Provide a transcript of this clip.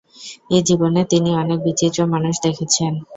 এ-জীবনে তিনি অনেক বিচিত্র মানুষ দেখেছেন।